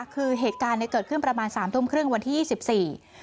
คือเหตุการณ์เกิดขึ้นประมาณ๓ทุ่มครึ่งวันที่๒๔